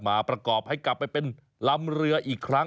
มาประกอบให้กลับไปเป็นลำเรืออีกครั้ง